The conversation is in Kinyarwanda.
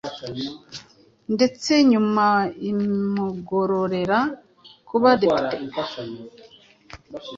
ndetse nyuma imugororera kuba depite